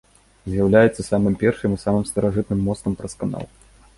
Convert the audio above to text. З'яўляецца самым першым і самым старажытным мостам праз канал.